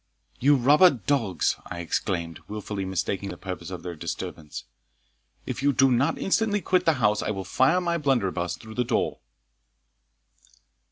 "You robber dogs!" I exclaimed, wilfully mistaking the purpose of their disturbance, "if you do not instantly quit the house I will fire my blunderbuss through the door."